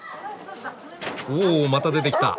おおまた出てきた！